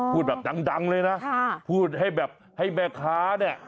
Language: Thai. พูดแบบดังเลยนะพูดให้แบบให้แม่ค้าเนี่ย